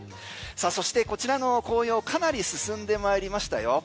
そして、こちらの紅葉かなり進んでまいりましたよ。